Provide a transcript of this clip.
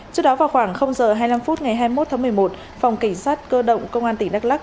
trước đó vào khoảng h hai mươi năm phút ngày hai mươi một tháng một mươi một phòng cảnh sát cơ động công an tỉnh đắk lắc